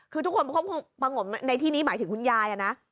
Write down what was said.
คือทุกคนเขาประงมในที่นี้หมายถึงคุณยายนะ